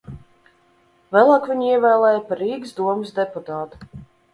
Vēlāk viņu ievēlēja par Rīgas domes deputātu.